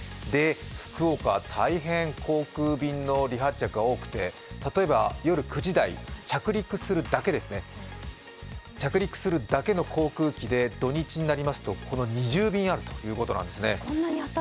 福岡、大変、航空便の離発着が多くて例えば夜９時台、着陸するだけの航空機で土日になりますと２０便あるということなんです。